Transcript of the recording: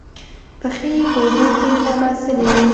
پښې یې په اوبو کې ننباسلې وې